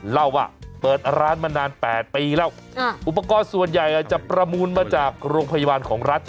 เล่าว่าเปิดร้านมานาน๘ปีแล้วอุปกรณ์ส่วนใหญ่จะประมูลมาจากโรงพยาบาลของรัฐ